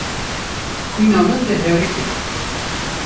Xwîna min diherike.